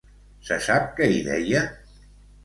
Se sap què hi deia?